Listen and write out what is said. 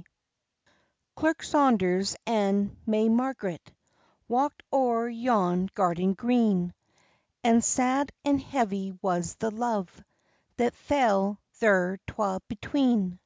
iii.) CLERK SAUNDERS and may Margaret Walked ower yon garden green; And sad and heavy was the love That fell thir twa between.